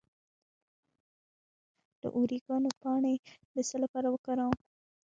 د اوریګانو پاڼې د څه لپاره وکاروم؟